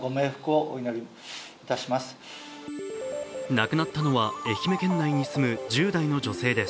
亡くなったのは愛媛県内に住む１０代の女性です。